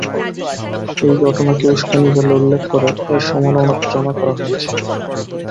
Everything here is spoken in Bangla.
এই ঘটনাকে উসকানি বলে উল্লেখ করে এর সমালোচনা করা হয়েছে।